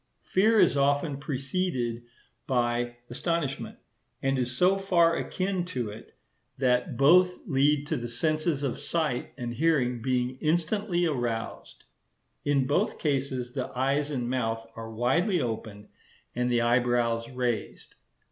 Fear is often preceded by astonishment, and is so far akin to it, that both lead to the senses of sight and hearing being instantly aroused. In both cases the eyes and mouth are widely opened, and the eyebrows raised.